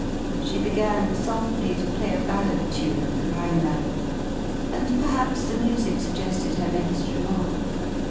She began softly to play a ballad time of the Rhineland; and perhaps the music suggested her next remark.